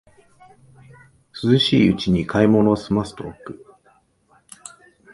涼しいうちに買い物をすませておく